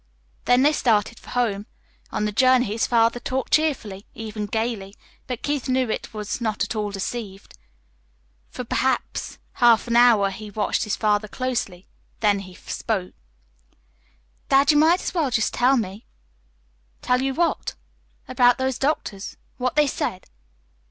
Then they started for home. On the journey his father talked cheerfully, even gayly; but Keith was not at all deceived. For perhaps half an hour he watched his father closely. Then he spoke. "Dad, you might just as well tell me." "Tell you what?" "About those doctors what they said."